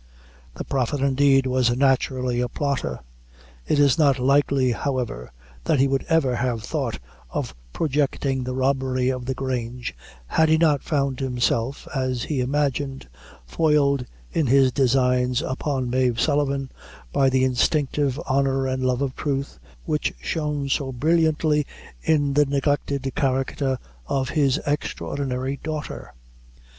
The Prophet, indeed, was naturally a plotter. It is not likely, however, that he would ever have thought of projecting the robbery of the Grange, had he not found himself, as he imagined, foiled in his designs upon Mave Sullivan, by the instinctive honor and love of truth which shone so brilliantly in the neglected character of his extraordinary daughter.